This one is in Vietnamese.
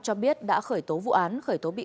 cho biết đã khởi tố vụ án khởi tố bị